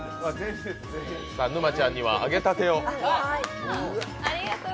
沼ちゃんには揚げたてを。